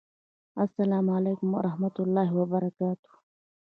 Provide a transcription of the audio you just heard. السلام علیکم ورحمة الله وبرکاته!